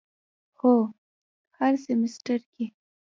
هو، هر سیمیستر کی